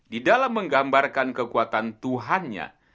di dalam menggambarkan kekuatan tuhannya